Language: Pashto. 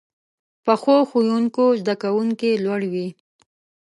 پخو ښوونکو زده کوونکي لوړوي